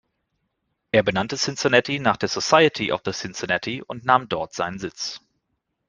Er benannte Cincinnati nach der Society of the Cincinnati und nahm dort seinen Sitz.